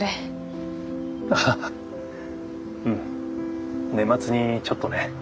アハハうん年末にちょっとね。